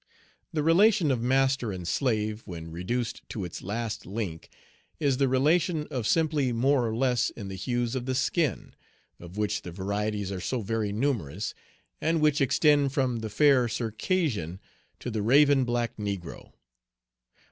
The relation of master and slave, when reduced to its last link, is the relation of simply more or less in the hues of the skin, of which the varieties are so very numerous, and which extend from the fair Circassian to the raven black negro.